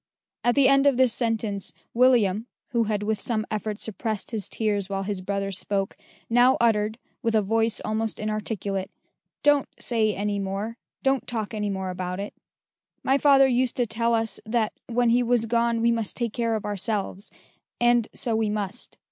At the end of this sentence, William, who had with some effort suppressed his tears while his brother spoke, now uttered, with a voice almost inarticulate, "Don't say any more; don't talk any more about it. My father used to tell us, that when he was gone we must take care of ourselves: and so we must.